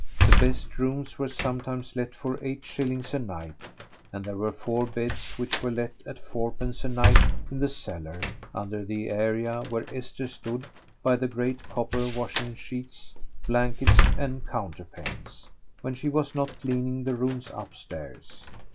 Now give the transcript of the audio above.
The best rooms were sometimes let for eight shillings a night, and there were four beds which were let at fourpence a night in the cellar under the area where Esther stood by the great copper washing sheets, blankets, and counterpanes, when she was not cleaning the rooms upstairs.